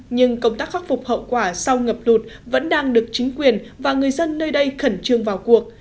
nhưng công tác khắc phục hậu quả sau ngập lụt vẫn đang được chính quyền và người dân nơi đây khẩn trương vào cuộc